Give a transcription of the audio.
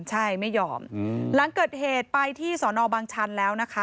ใช่ไม่ยอมหลังเกิดเหตุไปที่สอนอบางชันแล้วนะคะ